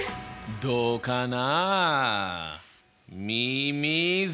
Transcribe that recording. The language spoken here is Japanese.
どうかな？